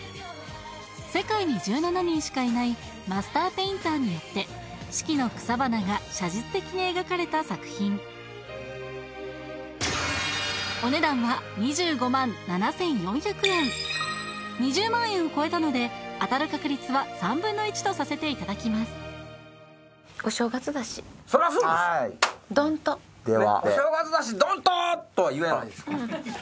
世界に１７人しかいないマスターペインターによってお値段は２０万円を超えたので当たる確率は３分の１とさせて頂きますそらそうです。